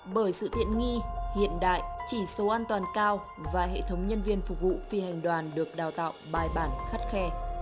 bởi sự tiện nghi hiện đại chỉ số an toàn cao và hệ thống nhân viên phục vụ phi hành đoàn được đào tạo bài bản khắt khe